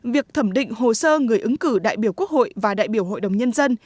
việc thẩm định hồ sơ người ứng cử đại biểu quốc hội và đại biểu hội đồng nhân dân